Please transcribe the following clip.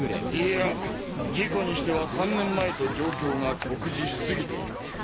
いや事故にしては３年前と状況が酷似しすぎている。